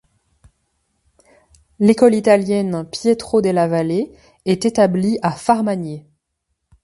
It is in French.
L'École italienne Pietro Della Valle est établie à Farmanieh.